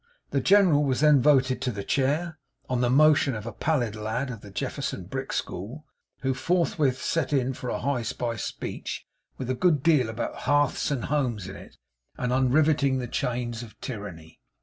The General was then voted to the chair, on the motion of a pallid lad of the Jefferson Brick school; who forthwith set in for a high spiced speech, with a good deal about hearths and homes in it, and unriveting the chains of Tyranny.